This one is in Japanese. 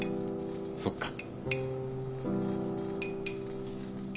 そっか。